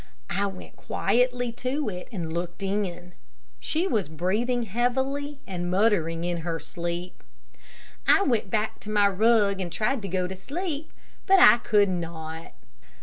I went quietly to it and looked in. She was breathing heavily and muttering in her sleep. I went back to my rug and tried to go to sleep, but I could not.